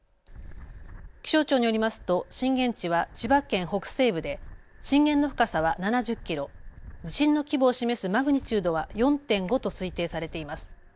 気象庁によりますと震源地は千葉県北西部で震源の深さは７０キロ、地震の規模を示すマグニチュードは４．５と推定されています。